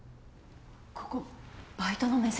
ここバイトの面接？